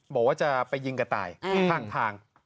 บอกว่าจะไปยิงกระต่ายข้างทาง